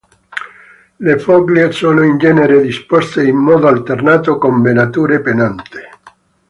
Le foglie sono in genere disposte in modo alternato con venature pennate.